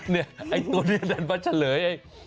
เนี่ยตัวนี้ดันมาเฉลย